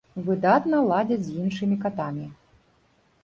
Выдатна ладзяць з іншымі катамі.